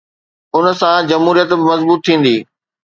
ان سان جمهوريت به مضبوط ٿيندي.